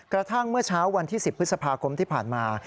กระทั่งเมื่อเช้าวันที่๑๐พฤษภาคมที่ผ่านมา